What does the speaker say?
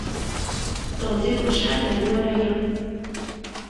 S teɣzi n wacḥal d aggur aya.